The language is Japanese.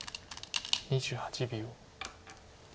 ２８秒。